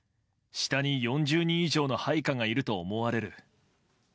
下に４０人以上の配下がいると思われる。